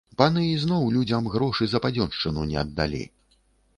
Паны ізноў людзям грошы за падзёншчыну не аддалі.